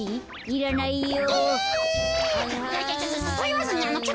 いらないよ。